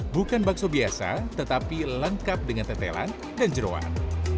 bukan bakso biasa tetapi lengkap dengan tetelan dan jeruan